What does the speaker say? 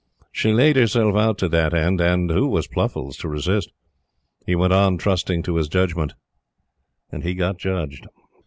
She laid herself out to that end, and who was Pluffles, to resist? He went on trusting to his judgment, and he got judged.